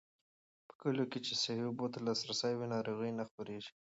په کليو کې چې صحي اوبو ته لاسرسی وي، ناروغۍ نه خپرېږي.